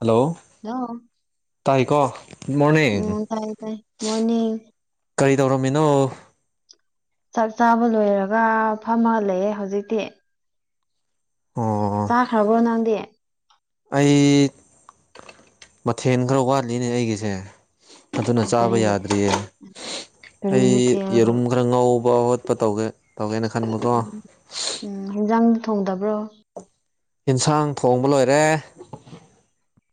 Hello hello ꯇꯥꯏꯀꯣ good morning ꯊꯥꯏ-ꯊꯥꯏ ꯃꯣꯅꯤꯡ ꯀꯔꯤ ꯇꯧꯔꯝꯃꯤꯅꯣ ꯆꯥꯛ ꯆꯥꯕ ꯂꯣꯏꯔꯒ ꯐꯝꯃꯍꯜꯂꯑꯦ ꯍꯧꯖꯤꯛꯇꯤ ꯑꯣ ꯇꯥ ꯈꯕ ꯅꯦꯗꯤ ꯑꯩ ꯃꯊꯦꯜ ꯈꯔ ꯋꯥꯠꯂꯤꯅꯦ ꯑꯩꯒꯤꯁꯦ ꯑꯗꯨꯅ ꯆꯥꯕ ꯀꯔꯤ ꯌꯥꯗ꯭ꯔꯤꯌꯦ ꯀꯔꯤ ꯑꯩ ꯃꯊꯦꯜ ꯌꯦꯔꯨꯝꯒ ꯈꯔ ꯉꯧꯕ ꯈꯣꯠꯄ ꯇꯧꯒꯦ ꯇꯧꯒꯦꯅ ꯈꯟꯕꯀꯣ ꯎꯝ ꯎꯝ ꯍꯤꯟꯖꯥꯡꯗ ꯊꯣꯡꯗꯕ꯭ꯔꯣ ꯏꯟꯁꯥꯡ ꯊꯣꯡꯕ ꯂꯣꯏꯔꯦ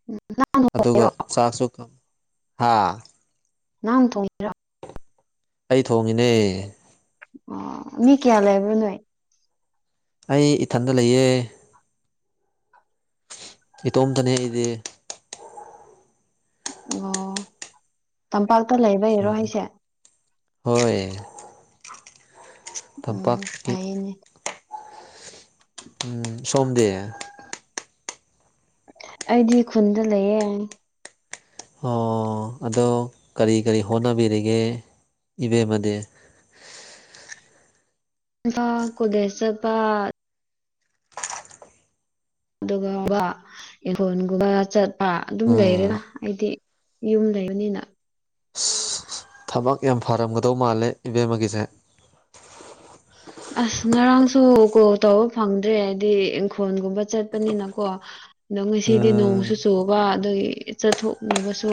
ꯎ ꯑꯗꯨꯒ ꯆꯥꯛꯁꯨ ꯍꯥꯥ ꯅꯪ ꯊꯣꯡꯉꯤꯔ ꯑꯩ ꯊꯣꯡꯉꯤꯅꯦ ꯑꯣ ꯃꯤ ꯀꯌꯥ ꯂꯩꯕ ꯅꯥꯏ ꯑꯩ ꯏꯊꯟꯗ ꯂꯩꯌꯦ ꯏꯇꯣꯝꯇꯅꯦ ꯑꯩꯗꯤ ꯑꯣ ꯇꯝꯄꯥꯛꯇ ꯂꯩꯕꯩꯔꯣ ꯎꯝ ꯑꯩꯁꯦ ꯍꯣꯏ ꯎꯝ ꯇꯝꯄꯥꯛꯀꯤ ꯐꯥꯏꯅꯦ ꯎꯝ ꯁꯣꯝꯗꯦ ꯑꯩꯗꯤ ꯈꯨꯟꯗ ꯂꯩꯌꯦ ꯑꯣ ꯑꯗꯣ ꯀꯔꯤ ꯀꯔꯤ ꯍꯣꯠꯅꯕꯤꯔꯤꯒꯦ ꯏꯕꯦꯝꯃꯗꯤ ꯏꯝꯐꯥ ꯀꯣꯂꯦꯁ ꯇ ꯒꯥꯇ ꯑꯗꯨꯒ ꯋꯥ ꯏꯡꯈꯣꯟꯒꯨꯝꯕ ꯆꯠꯄ ꯑꯗꯨꯝ ꯎꯝ ꯂꯩꯔꯦꯗ ꯑꯩꯗꯤ ꯌꯨꯝ ꯂꯩꯕꯅꯤꯅ ꯊꯕꯛ ꯌꯥꯝ ꯐꯔꯝꯒꯗꯧ ꯃꯥꯜꯂꯦ ꯏꯕꯦꯝꯃꯒꯤꯁꯦ ꯑꯁ ꯉꯔꯥꯡꯁꯨ ꯀꯣꯜ ꯇꯧꯕ ꯐꯪꯗ꯭ꯔꯦ ꯍꯥꯏꯗꯤ ꯏꯪꯈꯣꯜꯒꯨꯝꯕ ꯆꯠꯄꯅꯤꯅꯀꯣ ꯅꯪ ꯁꯤꯗꯤ ꯅꯣ ꯎꯝ ꯆꯨꯕ ꯑꯗꯒꯤ ꯆꯠꯊꯣꯛꯅꯕꯁꯨ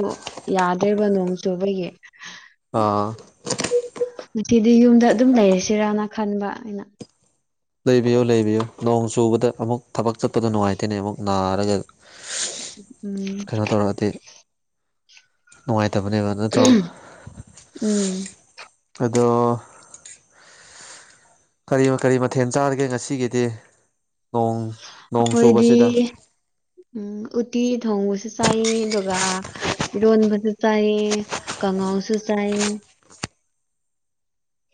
ꯌꯥꯗ꯭ꯔꯦꯕ ꯅꯣꯡ ꯆꯨꯕꯒꯤ ꯑꯥ ꯉꯁꯤꯗꯤ ꯌꯨꯝꯗ ꯑꯗꯨꯝ ꯂꯩꯔꯁꯤꯔꯥꯅ ꯈꯟꯕ ꯑꯩꯅ ꯂꯩꯕꯤꯌꯨ ꯂꯩꯕꯤꯌꯨ ꯅꯣꯡ ꯆꯨꯕꯗ ꯑꯃꯨꯛ ꯊꯕꯛ ꯆꯠꯄꯗ ꯅꯨꯡꯉꯥꯏꯇꯦꯅꯦ ꯑꯃꯨꯛ ꯅꯥꯔꯒ ꯎꯝ ꯀꯩꯅꯣ ꯇꯧꯔꯛꯑꯗꯤ ꯅꯨꯡꯉꯥꯏꯇꯕꯅꯦꯕ ꯅꯠꯇ꯭ꯔꯣ ꯎꯝ ꯑꯗꯣ ꯀꯔꯤ ꯀꯔꯤ ꯃꯊꯦꯜ ꯆꯥꯔꯤꯒꯦ ꯉꯁꯤꯒꯤꯗꯤ ꯅꯣꯡ ꯅꯣꯡ ꯑꯩꯈꯣꯏꯗꯤ ꯆꯨꯕꯁꯤꯗ ꯎꯝ ꯎꯇꯤ ꯊꯣꯡꯕꯁꯨ ꯆꯥꯏꯌꯦ ꯑꯗꯨꯒ ꯏꯔꯣꯟꯕꯁꯨ ꯆꯥꯏ ꯀꯉꯥꯎꯁꯨ ꯆꯥꯏ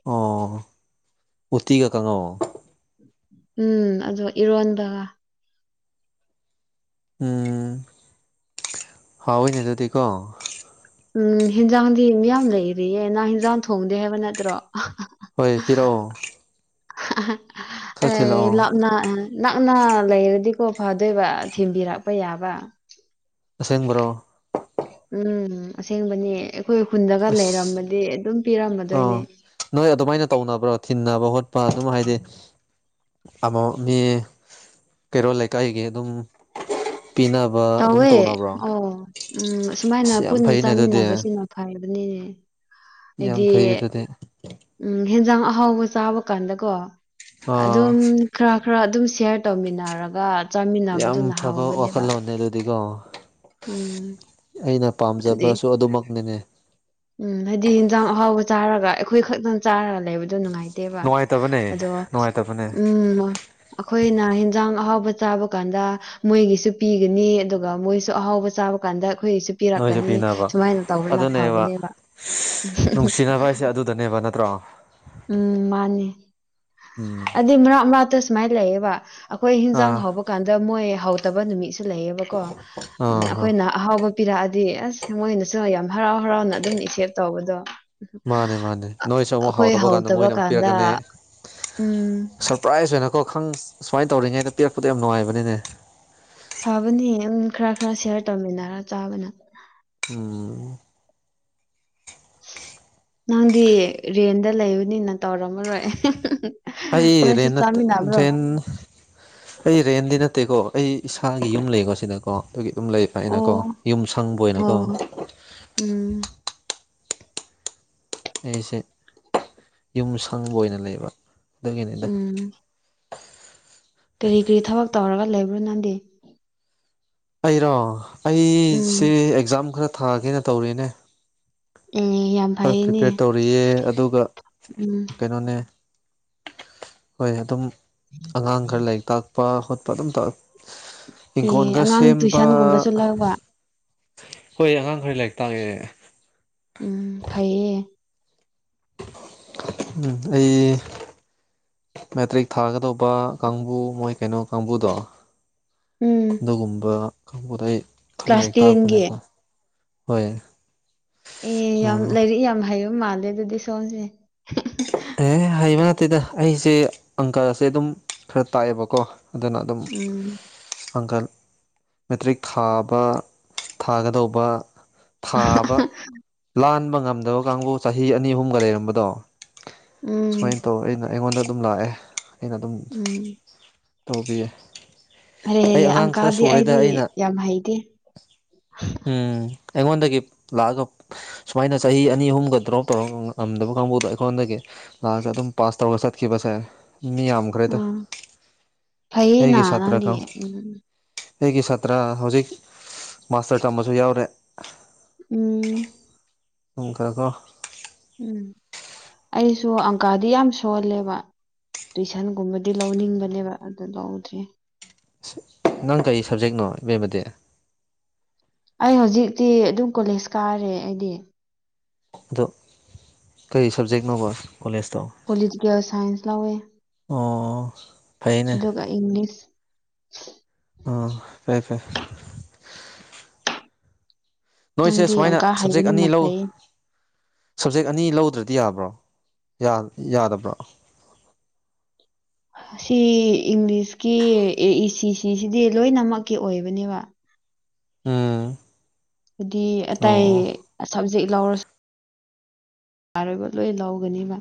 ꯑꯣ ꯎꯠꯇꯤꯒ ꯀꯪꯉꯣ ꯎꯝ ꯑꯗꯨꯒ ꯏꯔꯣꯟꯕꯒ ꯎꯝ ꯍꯥꯎꯏꯅꯦ ꯑꯗꯨꯗꯤꯀꯣ ꯎꯝ ꯍꯦꯟꯖꯥꯡꯗꯤ ꯃꯤꯌꯥꯝ ꯂꯩꯔꯤꯌꯦ ꯅꯪ ꯍꯦꯟꯖꯥꯡ ꯊꯣꯡꯗꯦ ꯍꯥꯏꯕ ꯅꯠꯇ꯭ꯔꯣ ꯑꯥꯍꯍ ꯍꯣꯏ ꯄꯤꯔꯛꯑꯣ ꯑ ꯈꯔ ꯊꯤꯜꯂꯛꯑꯣ ꯂꯞꯅ ꯅꯛꯅ ꯂꯩꯔꯗꯤꯀꯣ ꯐꯗꯣꯏꯕ ꯊꯤꯟꯕꯤꯔꯛꯄ ꯌꯥꯕ ꯑꯁꯦꯡꯕ꯭ꯔꯣ ꯎꯝ ꯑꯁꯦꯡꯕꯅꯤ ꯑꯩꯈꯣꯏ ꯍ ꯈꯨꯟꯗꯒ ꯂꯩꯔꯃꯗꯤ ꯑꯗꯨꯝ ꯑꯣ ꯄꯤꯔꯝꯃꯗꯣꯏꯅꯦ ꯅꯣꯏ ꯑꯗꯨꯃꯥꯏꯅ ꯇꯧꯅꯕ꯭ꯔꯣ ꯊꯤꯟꯅꯕ ꯈꯣꯠꯄ ꯑꯗꯨꯝ ꯍꯥꯏꯗꯤ ꯑꯃ ꯃꯤ ꯀꯩꯔꯣꯜ ꯂꯩꯀꯥꯏꯒꯤ ꯑꯗꯨꯝ ꯄꯤꯅꯕ ꯑꯗꯨꯝ ꯇꯧꯋꯦ ꯇꯧꯅꯕ꯭ꯔꯣ ꯑꯣ ꯎꯝ ꯁꯨꯃꯥꯏꯅ ꯑꯁ ꯌꯥꯝ ꯄꯨꯟꯅ ꯐꯩꯅꯦ ꯑꯗꯨꯗꯤ ꯆꯥꯃꯤꯟꯅꯕꯁꯤꯅ ꯐ ꯑꯗꯨꯅꯤꯅꯦ ꯌꯥꯝ ꯑꯩꯗꯤ ꯐꯩ ꯑꯗꯨꯗꯤ ꯎꯝ ꯍꯦꯟꯖꯥꯡ ꯑꯍꯥꯎꯕ ꯆꯥꯕ ꯀꯥꯟꯗꯀꯣ ꯑꯥ ꯑꯗꯨꯝ ꯈꯔ ꯈꯔ ꯑꯗꯨꯝ ꯁꯌꯔ ꯇꯧꯃꯤꯟꯅꯔꯒ ꯆꯥꯃꯤꯟꯅꯕꯗꯨꯅ ꯍꯥꯎꯕꯅꯦꯕ ꯐꯅꯦ ꯑꯗꯨꯗꯤꯀꯣ ꯎꯝ ꯑꯩꯅ ꯑꯗꯤ ꯄꯥꯝꯖꯕꯁꯨ ꯑꯗꯨꯃꯛꯅꯤꯅꯦ ꯎꯝ ꯍꯥꯏꯗꯤ ꯌꯦꯟꯖꯥꯡ ꯑꯍꯥꯎꯕ ꯆꯥꯔꯒ ꯑꯩꯈꯣꯏ ꯈꯛꯇꯪ ꯆꯥꯔꯒ ꯂꯩꯕꯗꯣ ꯅꯨꯡꯉꯥꯏꯇꯦ ꯇꯦꯕ ꯅꯨꯡꯉꯥꯏꯇꯕꯅꯦ ꯑꯗꯣ ꯅꯨꯡꯉꯥꯏꯇꯕꯅꯦ ꯎꯝ ꯑꯩꯈꯣꯏꯅ ꯌꯦꯟꯖꯥꯡ ꯑꯍꯥꯎꯕ ꯆꯥꯕ ꯀꯥꯟꯗ ꯃꯣꯏꯒꯤꯁꯨ ꯄꯤꯒꯅꯤ ꯑꯗꯨꯒ ꯃꯣꯏꯁꯨ ꯑꯍꯥꯎꯕ ꯆꯥꯕ ꯀꯥꯟꯗ ꯑꯩꯈꯣꯏꯒꯤꯁꯨ ꯅꯣꯏꯁꯨ ꯄꯤꯔꯛꯀꯅꯤ ꯄꯤꯅꯕ ꯁꯨꯃꯥꯏꯅ ꯇꯧꯕꯅ ꯑꯗꯨꯅꯦꯕ ꯐꯕꯅꯦ ꯅꯨꯡꯁꯤꯅꯕ ꯍꯥꯏꯁꯦ ꯑꯗꯨꯗꯅꯦꯕ ꯅꯠꯇ꯭ꯔꯣ ꯎꯝ ꯃꯥꯅꯦ ꯎꯝ ꯍꯥꯏꯗꯤ ꯃꯔꯥ ꯃꯔꯥꯇ ꯁꯨꯃꯥꯏꯅ ꯂꯩꯌꯦꯕ ꯑꯩꯈꯣꯏ ꯍꯤꯟꯖꯥꯡ ꯑꯥ ꯍꯧꯕ ꯀꯥꯟꯗ ꯃꯣꯏ ꯍꯧꯗꯕ ꯅꯨꯃꯤꯠꯁꯨ ꯂꯩꯌꯦꯕ ꯀꯣ ꯎ ꯑꯥ ꯑꯥ ꯑꯩꯈꯣꯏꯅ ꯑꯍꯥꯎꯕ ꯄꯤꯔꯛꯑꯗꯤ ꯑꯁ ꯃꯣꯏꯅꯁꯨ ꯌꯥꯝ ꯍꯔꯥꯎ ꯍꯔꯥꯎꯅ ꯑꯗꯨꯝ ꯏꯦꯞ ꯇꯧꯕꯗꯣ ꯃꯥꯅꯦ ꯃꯥꯅꯦ ꯅꯣꯏꯁꯨ ꯑꯃꯨꯛ ꯑꯩꯈꯣꯏ ꯍꯥꯎꯗꯕ ꯀꯥꯟꯗ ꯍꯧꯇꯕ ꯃꯣꯏꯅ ꯑꯃꯨꯛ ꯀꯥꯟꯗ ꯄꯤꯔꯛꯀꯅꯤ ꯎꯝ ꯄ꯭ꯔꯥꯏꯖ ꯑꯣꯏꯅꯀꯣ ꯈꯪ ꯁꯨꯃꯥꯏꯅ ꯇꯧꯔꯤꯉꯩꯗ ꯄꯤꯔꯛꯄꯗ ꯌꯥꯝ ꯅꯨꯡꯉꯥꯏꯕꯅꯤꯅꯦ ꯐꯕꯅꯤ ꯑꯗꯨꯝ ꯈꯔ ꯈꯔ ꯁꯤꯦꯌꯥꯔ ꯇꯧꯃꯤꯟꯅꯔ ꯆꯥꯕꯅ ꯎꯝ ꯅꯪꯗꯤ ꯔꯦꯟꯗ ꯂꯩꯎꯅꯤꯅ ꯇꯧꯔꯝꯃꯔꯣꯏ ꯑꯩ ꯅꯣꯏꯁꯨ ꯔꯦꯟ ꯅꯠꯇꯦ ꯆꯥꯃꯤꯟꯅꯕ꯭ꯔꯣ ꯗꯦꯟ ꯑꯩ ꯔꯦꯟꯗꯤ ꯅꯠꯇꯦꯀꯣ ꯑꯩ ꯏꯁꯥꯒꯤ ꯌꯨꯝ ꯂꯩꯀꯣ ꯁꯤꯗꯀꯣ ꯑꯗꯨꯒꯤ ꯑꯗꯨꯝ ꯂꯩ ꯉ ꯑꯩꯅꯀꯣ ꯑꯣ ꯌꯨꯝ ꯁꯪꯕ ꯑꯣꯏꯅꯀꯣ ꯑꯣ ꯎꯝ ꯑꯩꯁꯦ ꯌꯨꯝ ꯁꯪꯕ ꯑꯣꯏꯅ ꯂꯩꯕ ꯑꯗꯨꯒꯤꯅꯤꯗ ꯎꯝ ꯀꯔꯤ ꯀꯔꯤ ꯊꯕꯛ ꯇꯧꯔꯒ ꯂꯩꯕ꯭ꯔꯣ ꯅꯪꯗꯤ ꯑꯩꯔꯣ ꯎꯝ ꯑꯩꯁꯦ ꯑꯦꯛꯖꯥꯝ ꯈꯔ ꯊꯥꯒꯦꯅ ꯇꯧꯔꯤꯦꯅꯦ ꯎꯝ ꯌꯥꯝ ꯈꯔ ꯐꯩꯌꯦꯅꯦ ꯄ꯭ꯔꯤꯄꯦꯌꯔ ꯇꯧꯔꯤꯌꯦ ꯑꯗꯨꯒ ꯎꯝ ꯀꯩꯅꯣꯅꯦ ꯍꯣꯏ ꯑꯗꯨꯝ ꯑꯉꯥꯡ ꯈꯔ ꯂꯥꯏꯔꯤꯛ ꯇꯥꯛꯄ ꯈꯣꯠꯄ ꯑꯗꯨꯝ ꯑꯦ ꯏꯪꯈꯣꯟꯒ ꯑꯉꯥꯡ ꯁꯦꯝꯕ ꯇꯨꯏꯁꯟꯒꯨꯝꯕꯁꯨ ꯂꯧꯕ ꯍꯣꯏ ꯑꯉꯥꯡ ꯈꯔ ꯂꯥꯏꯔꯤꯛ ꯇꯥꯛꯑꯦ ꯎꯝ ꯐꯩꯌꯦ ꯎꯝ ꯑꯩ ꯃꯦꯇ꯭ꯔꯤꯛ ꯊꯥꯒꯗꯧꯕ ꯀꯥꯡꯕꯨ ꯃꯣꯏ ꯀꯩꯅꯣ ꯀꯥꯡꯕꯨꯗꯣ ꯎꯝ ꯑꯗꯨꯒꯨꯝꯕ ꯀꯥꯡꯗ ꯑꯩ ꯈꯔ ꯀ꯭ꯂꯥꯁ ꯂꯥꯏꯔꯤꯛ ꯇꯦꯟꯒꯤ ꯇꯥꯛꯔꯛꯄꯅꯦꯕꯣ ꯍꯣꯏ ꯑꯦ ꯌꯥꯝ ꯑꯣ ꯂꯥꯏꯔꯤꯛ ꯌꯥꯝ ꯍꯩꯌꯨ ꯃꯥꯜꯂꯦ ꯑꯗꯨꯗꯤ ꯁꯣꯝꯁꯦ ꯑꯦ ꯍꯩꯕ ꯅꯠꯇꯦꯗ ꯑꯩꯁꯦ ꯑꯪꯀꯁꯦ ꯑꯗꯨꯝ ꯈꯔ ꯇꯥꯛꯑꯦꯕꯀꯣ ꯑꯗꯨꯅ ꯑꯗꯨꯝ ꯎꯝ ꯄꯥꯡꯀꯜ ꯃꯦꯇ꯭ꯔꯤꯛ ꯊꯥꯕ ꯊꯥꯒꯗꯧꯕ ꯊꯥꯕ ꯂꯥꯟꯕ ꯉꯝꯗꯕ ꯀꯥꯡꯕꯨ ꯆꯍꯤ ꯑꯅꯤ ꯑꯍꯨꯝꯒ ꯂꯩꯔꯝꯕꯗꯣ ꯎꯝ ꯁꯨꯃꯥꯏꯅ ꯇꯧ ꯑꯩꯅ ꯑꯩꯉꯣꯟꯗ ꯑꯗꯨꯝ ꯂꯥꯛꯑꯦ ꯑꯩꯅ ꯑꯗꯨꯝ ꯎꯝ ꯇꯧꯕꯕꯤ ꯍꯔꯦ ꯑꯪꯀꯥꯗꯤ ꯑꯩꯗꯤ ꯌꯥꯝ ꯍꯩꯇꯦ ꯎꯝ ꯑꯩꯉꯣꯟꯗꯒꯤ ꯂꯥꯛꯑꯒ ꯁꯨꯃꯥꯏꯅ ꯆꯍꯤ ꯑꯅꯤ ꯑꯍꯨꯝꯒ ꯗ꯭ꯔꯣꯞ ꯇꯧꯔ ꯉꯝꯗꯕ ꯀꯥꯡꯕꯨꯗ ꯐꯗꯦ ꯂꯥꯁ ꯑꯗꯨꯝ ꯄꯥꯁ ꯊ ꯋꯥꯔ ꯇ ꯀꯕꯁꯦ ꯃꯤ ꯌꯥꯝ ꯎꯝ ꯐꯩꯌꯦꯅ ꯁꯥꯇ꯭ꯔ ꯅꯪꯗꯤ ꯀꯥꯡ ꯎꯝ ꯑꯩꯒꯤ ꯁꯥꯇ꯭ꯔ ꯍꯧꯖꯤꯛ ꯃꯥꯁꯇꯔ ꯇꯝꯕꯁꯨ ꯌꯥꯎꯔꯦ ꯎꯝ ꯑꯣꯣꯡꯀꯀꯣ ꯎꯝ ꯑꯩꯁꯨ ꯑꯪꯀꯥꯗꯤ ꯌꯥꯝ ꯁꯣꯜꯂꯦꯕ ꯇꯨꯏꯁꯟꯒꯨꯝꯕꯗꯤ ꯂꯧꯅꯤꯡꯕꯅꯦꯕ ꯑꯗꯨ ꯂꯧꯗ꯭ꯔꯦ ꯅꯪ ꯀꯔꯤ ꯁꯕꯖꯦꯛꯅꯣ ꯏꯕꯦꯝꯕꯗꯤ ꯑꯩ ꯍꯧꯖꯤꯛꯇꯤ ꯑꯗꯨꯝ ꯀꯣꯂꯦꯖ ꯀꯥꯔꯦ ꯑꯩꯗꯤ ꯑꯗꯣ ꯀꯔꯤ ꯁꯕꯖꯦꯛꯅꯣꯕ ꯀꯣꯂꯦꯖꯇꯣ ꯄꯣꯂꯤꯇꯀꯦꯜ ꯁꯥꯏꯟꯁ ꯂꯋꯦ ꯑꯣ ꯐꯩꯅꯦ ꯏꯪꯂꯤꯁ ꯎꯝ ꯐꯦ ꯐꯔꯦ ꯅꯣꯏꯁꯦ ꯅꯪꯗꯤ ꯁꯨꯃꯥꯏꯅ ꯑꯪꯀꯥ ꯁꯞꯖꯦꯛ ꯑꯅꯤ ꯍꯩꯕꯅꯤꯅ ꯂꯧ ꯐꯩꯌꯦ ꯁꯞꯖꯦꯛ ꯑꯅꯤ ꯂꯧꯗ꯭ꯔꯗꯤ ꯌꯥꯕ꯭ꯔꯣ ꯌꯥꯗꯕ꯭ꯔꯣ ꯑꯁꯤ ꯏꯪꯂꯤꯁꯀꯤ ꯑꯦ ꯏ ꯁꯤꯁꯤꯗꯤ ꯂꯣꯏꯅꯃꯛꯀꯤ ꯑꯣꯏꯕꯅꯦꯕ ꯎꯝ ꯍꯥꯗꯤ ꯑꯇꯩ ꯑꯣ ꯁꯞꯖꯦꯛ ꯂꯧꯔꯁꯨ ꯑꯔꯣꯏꯕ ꯂꯣꯏ ꯂꯧꯒꯅꯦꯕ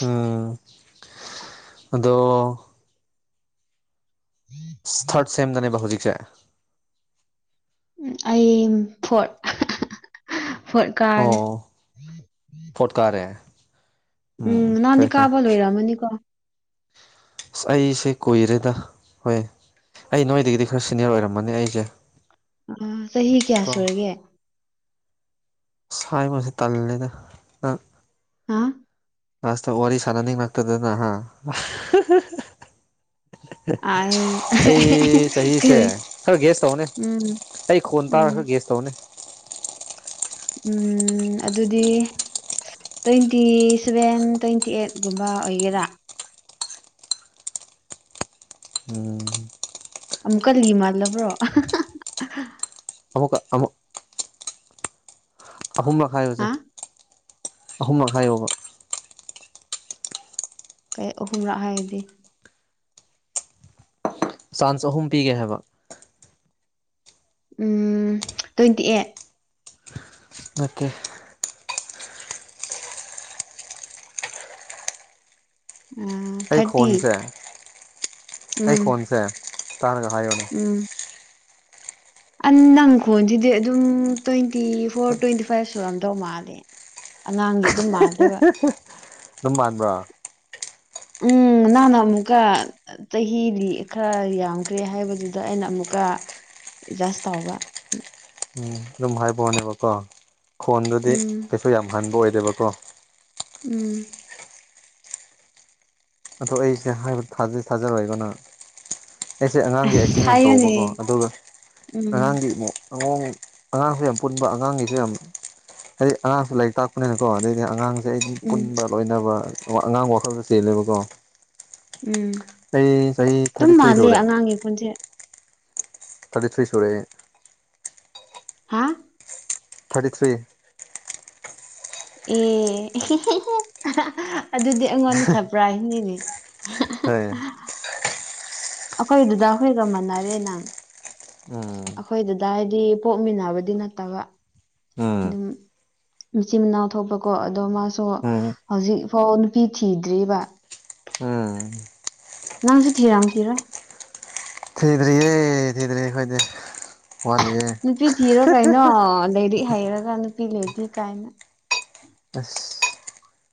ꯎꯝ ꯑꯗꯣ ꯊꯥꯔꯠ ꯁꯦꯝꯗꯅꯦꯕ ꯍꯧꯖꯤꯛꯁꯦ ꯎ ꯑꯩ ꯐ ꯐꯣꯔꯠ ꯀꯥꯔꯦ ꯐꯣꯠꯀꯥꯔꯦ ꯎꯝ ꯅꯥꯟꯗꯤ ꯀꯥꯕꯜ ꯑꯣꯏꯔꯝꯃꯅꯤꯀꯣ ꯑꯁ ꯑꯩꯁꯦ ꯀꯨꯏꯔꯦꯗ ꯍꯣꯏ ꯑꯩ ꯅꯣꯏꯗꯒꯤꯗꯤ ꯈꯔ ꯁꯤꯅꯤꯌꯔ ꯑꯣꯏꯔꯝꯃꯅꯤ ꯑꯩꯁꯦ ꯆꯍꯤ ꯀꯌꯥ ꯀꯣ ꯁꯨꯔꯒꯦ ꯁꯥꯏꯕꯁꯦ ꯇꯜꯂꯦꯗ ꯍꯥ ꯑꯁꯇ ꯋꯥꯔꯤ ꯁꯥꯟꯅꯅꯤꯡꯉꯛꯇꯗꯅꯍ ꯑꯩ ꯑꯩ ꯆꯍꯤꯁꯦ ꯀꯔꯤ ꯈꯔ ꯒ꯭ꯦꯁ ꯇꯧꯅꯦ ꯎꯝ ꯑꯩ ꯈꯣꯟ ꯎꯝ ꯇꯥꯔꯒ ꯒꯦꯁ ꯇꯧꯅꯦ ꯎꯝ ꯑꯗꯨꯗꯤ ꯇ꯭ꯋꯦꯟꯇꯤ ꯁꯚꯦꯟ ꯇ꯭ꯋꯦꯟꯇꯤ ꯑꯩꯠꯀꯨꯝꯕ ꯑꯣꯏꯒꯦꯔꯥ ꯎꯝ ꯑꯃꯨꯛꯀꯜꯂꯤ ꯃꯥꯜꯂꯕ꯭ꯔꯣ ꯑꯃꯨ ꯀ ꯑꯃꯨꯛ ꯑꯍꯨꯝꯂꯛ ꯍꯥꯏꯌꯨꯁꯦ ꯍꯥ ꯑꯍꯨꯝꯂꯛ ꯍꯥꯏꯌꯣꯕ ꯀꯩ ꯑꯍꯨꯝꯔꯛ ꯍꯥꯏꯌꯦꯗꯤ ꯆꯥꯟꯁ ꯑꯍꯨꯝ ꯄꯤꯒꯦ ꯍꯥꯏꯕ ꯎꯝ ꯇ꯭ꯋꯦꯟꯇꯤ ꯑꯩꯠ ꯑꯠꯇꯦ ꯑꯩ ꯊꯥꯔꯇꯤ ꯈꯣꯟꯁꯦ ꯑꯩ ꯎꯝ ꯈꯣꯟꯁꯦ ꯇꯥꯔꯒ ꯍꯥꯏꯌꯣꯅꯦ ꯎꯝ ꯅꯪꯈꯣꯟꯁꯤꯗꯤ ꯑꯗꯨꯝ ꯇ꯭ꯋꯦꯟꯇꯤ ꯐꯣꯔ ꯇ꯭ꯋꯦꯟꯇꯤ ꯐꯥꯏꯚ ꯁꯨꯔꯝꯗꯧ ꯃꯥꯜꯂꯦ ꯑꯉꯥꯡꯒꯤ ꯑꯗꯨꯝ ꯃꯥꯜꯂꯦꯕ ꯑꯗꯨꯝ ꯃꯥꯟꯕ꯭ꯔꯥ ꯎꯝ ꯅꯅ ꯑꯃꯨꯀ ꯆꯍꯤꯗꯤ ꯈꯔ ꯌꯥꯝꯈ꯭ꯔꯦ ꯍꯥꯏꯕꯗꯨꯗ ꯑꯩꯅ ꯑꯃꯨꯛꯀ ꯑꯦꯗꯖꯁ ꯇꯧꯕ ꯎꯝ ꯑꯗꯨꯝ ꯍꯥꯏꯕꯣꯅꯦꯕꯀꯣ ꯈꯣꯟꯗꯨꯗꯤ ꯎꯝ ꯀꯩꯁꯨ ꯌꯥꯝ ꯍꯟꯕ ꯑꯣꯏꯗꯦꯕꯀꯣ ꯎꯝ ꯑꯗꯣ ꯑꯩꯁꯦ ꯍꯥꯏꯕ ꯊꯥꯖꯔꯣꯏꯦꯒꯅ ꯑꯩꯁꯦ ꯑꯉꯥꯡꯒꯤ ꯑꯁ ꯑꯦꯛꯇꯤꯡ ꯌꯥꯝ ꯍꯥꯏꯌꯨꯅꯦ ꯇꯧꯕꯀꯣ ꯑꯗꯨꯒ ꯎꯝ ꯑꯉꯥꯡꯒꯤ ꯑꯃꯨꯛ ꯑꯉꯣꯡ ꯑꯉꯥꯡꯁ ꯌꯥꯝ ꯄꯨꯟꯕ ꯑꯉꯥꯡꯒꯤꯁꯨ ꯌꯥꯝ ꯍꯥꯏꯗꯤ ꯑꯉꯥꯡꯁꯨ ꯂꯥꯏꯔꯤꯛ ꯇꯥꯛꯄꯅꯤꯅꯀꯣ ꯑꯗꯩꯗꯤ ꯑꯉꯥꯡ ꯁꯤ ꯑꯩꯗꯤ ꯎꯝ ꯄꯨꯟꯕ ꯂꯣꯏꯅꯕ ꯑꯉꯥꯡꯕ ꯋꯥꯈꯜꯗ ꯆꯦꯜꯂꯦꯕꯀꯣ ꯎꯝ ꯑꯩ ꯆꯍꯤ ꯑꯗꯨꯝ ꯊꯥꯔꯇꯤ ꯊ꯭ꯔꯤ ꯃꯥꯜꯂꯤ ꯑꯉꯥꯡꯒꯤ ꯈꯨꯟꯁꯦ ꯇꯔ ꯐ꯭ꯔꯤ ꯁꯨꯔꯦ ꯍꯥꯦ ꯊꯥꯔꯇꯤ ꯊ꯭ꯔꯤ ꯑꯦ ꯑꯦꯍꯦꯍꯦꯍꯦ ꯑꯥꯍ ꯑꯗꯨꯗꯤ ꯑꯩꯉꯣꯟꯗ ꯁꯔꯄ꯭ꯔꯥꯏꯁ ꯅꯤꯅꯦ ꯍ ꯑꯩꯈꯣꯏꯗꯨꯗ ꯑꯩꯈꯣꯏꯒ ꯃꯟꯅꯔꯦ ꯅꯪ ꯎꯝ ꯑꯩꯈꯣꯏꯗꯨꯗ ꯍꯥꯏꯗꯤ ꯄꯣꯛꯃꯤꯟꯅꯕꯗꯤ ꯅꯠꯇꯕ ꯎꯝ ꯑꯗꯨꯝ ꯃꯆꯤꯟ ꯃꯅꯥꯎ ꯊꯣꯛꯄꯀꯣ ꯑꯗꯣ ꯃꯥꯁꯨ ꯎꯝ ꯍꯧꯖꯤꯛ ꯐꯥꯎ ꯅꯨꯄꯤ ꯊꯤꯗ꯭ꯔꯤꯕ ꯎꯝ ꯅꯪꯁꯨ ꯊꯤꯔꯝꯈꯤꯔꯣꯏ ꯊꯤꯗ꯭ꯔꯤꯌꯦ ꯊꯤꯗ꯭ꯔꯤ ꯑꯈꯣꯏꯗꯤ ꯋꯥꯠꯂꯤꯌꯦ ꯅꯨꯄꯤ ꯊꯤꯔꯣ ꯀꯩꯅꯣ ꯂꯥꯏꯔꯤꯛ ꯍꯩꯔꯒ ꯅꯨꯄꯤ ꯂꯩꯗꯤ ꯀꯥꯏꯅ ꯎ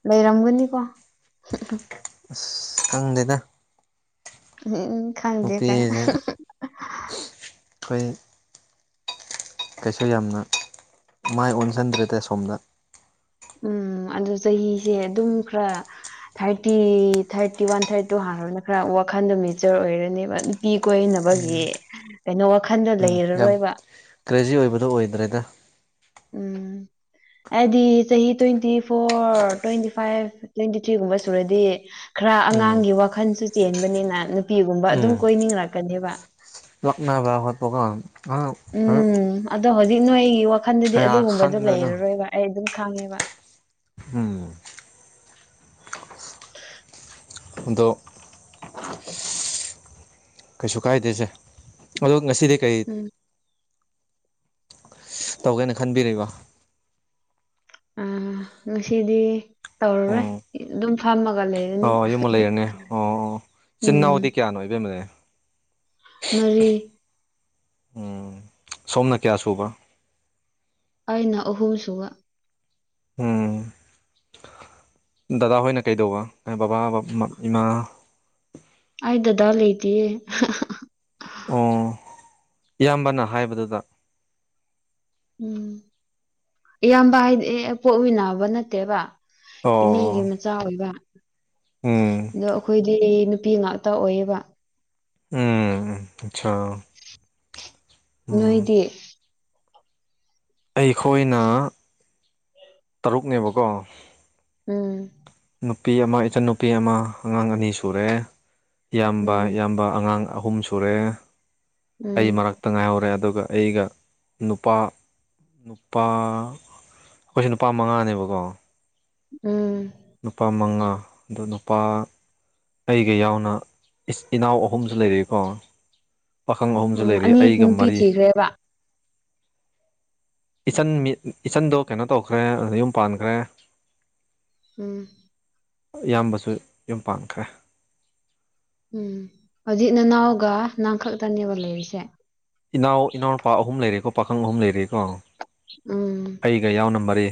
ꯂꯩꯔꯝꯒꯅꯤꯀꯣ ꯍꯪꯗꯦꯗ ꯎꯝ ꯈꯪꯗꯦ ꯀꯅ ꯅꯨꯄꯤꯁꯦ ꯑꯩꯈꯣꯏ ꯀꯩꯁꯨ ꯌꯥꯝꯅ ꯃꯥꯏ ꯑꯣꯟꯁꯤꯟꯗ꯭ꯔꯦ ꯇ ꯁꯣꯝꯗ ꯎꯝ ꯑꯗꯨ ꯆꯍꯤꯁꯦ ꯑꯗꯨꯝ ꯈꯔ thirty thirty one thirty two ꯍꯥꯡꯔꯕꯅꯤꯅ ꯈꯔ ꯋꯥꯈꯜꯗꯣ ꯃꯦꯆꯣꯔ ꯑꯣꯏꯔꯅꯦꯕ ꯃꯤ ꯎꯝ ꯀꯣꯏꯅꯕꯒꯤ ꯀꯩꯅꯣ ꯋꯥꯈꯟꯗꯣ ꯎꯝ ꯌꯥꯝ ꯂꯩꯔꯔꯣꯏꯕ ꯀ꯭ꯔꯦꯖꯤ ꯑꯣꯏꯕꯗꯣ ꯑꯣꯏꯗ꯭ꯔꯦꯗ ꯎꯝ ꯑꯩꯗꯤ ꯆꯍꯤ twenty four twenty five twenty ꯊ꯭ꯔꯤꯒꯨꯝꯕ ꯁꯨꯔꯗꯤ ꯈꯔ ꯎꯝ ꯑꯉꯥꯡꯒꯤ ꯋꯥꯈꯜꯁꯨ ꯆꯦꯟꯕꯅꯤꯅ ꯅꯨꯄꯤꯒꯨꯝꯕ ꯑꯗꯨꯝ ꯀꯣꯏꯅꯤꯡꯔꯛꯀꯅꯦꯕ ꯂꯥꯛꯅꯕ ꯈꯠ ꯄꯀ ꯑ ꯎꯝ ꯑꯗꯣ ꯍꯧꯖꯤꯛ ꯅꯣꯏ ꯑꯩꯒꯤ ꯋꯥꯈꯟꯗꯗꯤ ꯀꯌꯥ ꯑꯗꯨꯒꯨꯝꯕꯗꯣ ꯈꯟꯗꯅꯣ ꯂꯩꯔꯔꯣꯏꯕ ꯑꯩ ꯑꯗꯨꯝ ꯈꯪꯉꯦꯕ ꯎꯝ ꯑꯗꯣ ꯀꯩꯁꯨ ꯀꯥꯏꯗꯦꯁꯦ ꯑꯗꯣ ꯉꯁꯤꯗꯤ ꯀꯔꯤ ꯎꯝ ꯇꯧꯒꯦꯅ ꯈꯟꯕꯤꯔꯤꯕ ꯑ ꯉꯁꯤꯗꯤ ꯇꯧꯔꯨꯔꯣꯏ ꯎꯝ ꯑꯗꯨꯝ ꯐꯝꯃꯒ ꯂꯩꯔꯅꯤ ꯑꯣ ꯌꯨꯝꯃꯣ ꯂꯩꯔꯅꯤ ꯑꯣ ꯆꯤꯟ ꯎꯝ ꯏꯅꯥꯎꯗꯤ ꯀꯌꯥꯅꯣ ꯏꯕꯦꯝ ꯅꯩ ꯃꯔꯤ ꯎ ꯁꯣꯝꯅ ꯀꯌꯥ ꯁꯨꯕ ꯑꯩꯅ ꯑꯍꯨꯝꯁꯨꯕ ꯎꯝ ꯗꯗꯥ ꯍꯣꯏꯅ ꯀꯩꯗꯧꯕ ꯕꯕꯥ ꯕꯃ ꯏꯃꯥ ꯑꯗꯗꯂꯤ ꯑꯇ ꯑꯣ ꯏꯌꯥꯝꯕꯅ ꯍꯥꯏꯕꯗꯨꯗ ꯎꯝ ꯏꯌꯥꯝꯕ ꯍꯥꯏꯗꯤ ꯑꯦ ꯄꯣꯠꯃꯤꯟꯅꯕ ꯅꯠꯇꯦꯕ ꯏꯅꯦꯒꯤ ꯑꯣ ꯃꯆꯥ ꯑꯣꯏꯕ ꯎꯝ ꯑꯗꯣ ꯑꯩꯈꯣꯏꯗꯤ ꯅꯨꯄꯤ ꯉꯥꯛꯇ ꯑꯣꯏꯌꯦꯕ ꯎꯝ ꯑꯆꯥ ꯎꯝ ꯅꯣꯏꯗꯤ ꯑꯩꯈꯣꯏꯅ ꯇꯔꯨꯛꯅꯦꯕꯀꯣ ꯎꯝ ꯅꯨꯄꯤ ꯑꯃ ꯏꯆꯟꯟꯅꯨꯄꯤ ꯑꯃ ꯑꯉꯥꯡ ꯑꯅꯤ ꯁꯨꯔꯦ ꯏꯌꯥꯝꯕ ꯎꯝ ꯏꯌꯥꯝꯕ ꯑꯉꯥꯡ ꯑꯍꯨꯝ ꯁꯨꯔꯦ ꯑꯩ ꯎꯝ ꯃꯔꯛ ꯛꯇ ꯉꯥꯏꯍꯧꯔꯦ ꯑꯗꯨꯒ ꯑꯩꯒ ꯅꯨꯄꯥ ꯅꯨꯄꯥ ꯑꯩꯈꯣꯏꯁꯨ ꯅꯨꯄꯥ ꯃꯉꯥꯅꯦꯕꯀꯣ ꯎꯝ ꯅꯨꯄꯥ ꯃꯉꯥ ꯗꯨ ꯅꯨꯄꯥ ꯑꯩꯒ ꯌꯥꯎꯅ ꯏꯁ ꯏꯅꯥꯎ ꯑꯍꯨꯝꯁꯨ ꯂꯩꯔꯤꯀꯣ ꯄꯥꯈꯪ ꯑꯍꯨꯝꯁꯨ ꯂꯩꯔꯤ ꯑꯩꯒ ꯃꯔꯤ꯫ ꯀꯦꯕ ꯏꯆꯟ ꯃꯤ ꯏꯆꯟꯗꯣ ꯀꯩꯅꯣ ꯇꯧꯈ꯭ꯔꯦ ꯌꯨꯝ ꯄꯥꯟꯈ꯭ꯔꯦ ꯎꯝ ꯏꯌꯥꯝꯕꯁꯨ ꯌꯨꯝ ꯄꯥꯟꯈ꯭ꯔꯦ ꯎꯝ ꯍꯧꯖꯤꯠ ꯅꯅꯥꯎꯒ ꯅꯪꯈꯛꯇꯅꯦꯕ ꯂꯩꯔꯤꯁꯦ ꯏꯅꯥꯎ ꯏꯅꯥꯎꯅꯨꯄꯥ ꯑꯍꯨꯝ ꯂꯩꯔꯦꯀꯣ ꯄꯥꯈꯪ ꯑꯍꯨꯝ ꯂꯩꯔꯦꯀꯣ ꯎꯝ ꯑꯩꯒ ꯌꯥꯎꯅ ꯃꯔꯤ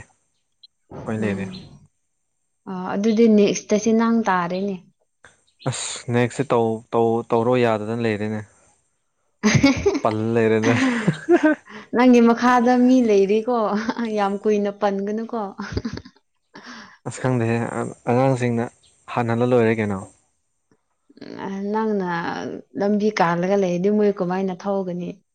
ꯁꯨꯃꯥꯏꯅ ꯎꯝ ꯂꯩꯔꯦ ꯑꯣ ꯑꯗꯨꯗꯤ ꯅꯦꯛꯁꯇꯁꯤ ꯅꯪ ꯇꯥꯔꯅꯦ ꯑꯁ ꯅꯦꯛꯁꯁꯦ ꯇꯧ ꯇꯧꯔꯣ ꯌꯥꯗꯅ ꯂꯩꯔꯅꯦ ꯄꯜꯂ ꯂꯩꯔꯅꯦ ꯅꯪꯒꯤ ꯃꯈꯥꯗ ꯃꯤ ꯂꯩꯔꯤꯀꯣ ꯌꯥꯝ ꯀꯨꯏꯅ ꯄꯟꯒꯅꯨꯀꯣ ꯑꯁ ꯈꯪꯗꯦꯁꯦ ꯑꯉꯥꯡꯁꯤꯡꯅ ꯍꯥꯟꯅꯜꯂ ꯂꯣꯏꯔꯦ ꯀꯩꯅꯣ ꯎ ꯅꯪꯅ ꯂꯝꯕꯤ ꯀꯥꯜꯂꯒ ꯂꯩ ꯑꯗꯨ ꯃꯣꯏ ꯀꯃꯥꯏꯅ ꯊꯧꯒꯅꯤ